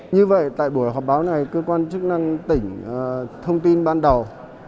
như vậy tại buổi họp báo này cơ quan chức năng tỉnh thông tin ban đầu